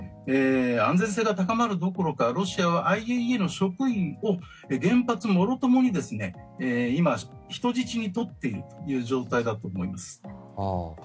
安全性が高まるどころかロシアはＩＡＥＡの職員を原発もろともに今、人質に取っているという状態だと思います。